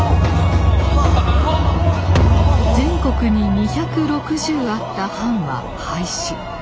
全国に２６０あった藩は廃止。